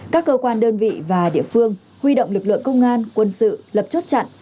các cơ quan đơn vị và địa phương huy động lực lượng công an quân sự lập chốt chặn